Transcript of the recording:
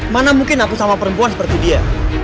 mana mungkin aku sama perempuan seperti dia